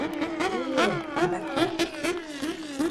urue batade